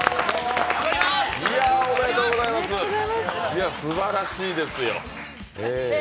いや、おめでとうございますすばらしいですよ。